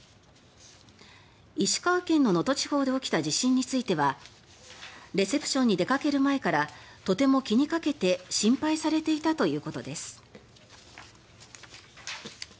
石川県の能登地方で起きた地震についてはレセプションに出かける前からとても気にかけて心配されていたということです。